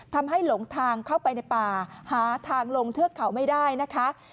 ทำให้หลงทางเข้าไปในป่าหาทางลงเทือกเขาไม่ได้นะคะ